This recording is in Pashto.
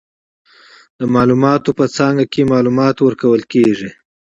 د معلوماتو په څانګه کې، معلومات ورکول کیږي.